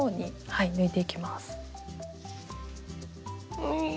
はい。